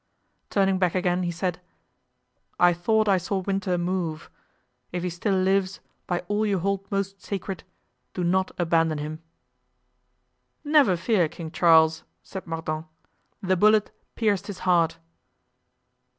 Turning back again, he said, "I thought I saw Winter move; if he still lives, by all you hold most sacred, do not abandon him." "Never fear, King Charles," said Mordaunt, "the bullet pierced his heart."